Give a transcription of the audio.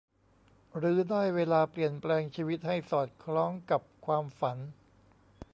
หรือได้เวลาเปลี่ยนแปลงชีวิตให้สอดคล้องกับความฝัน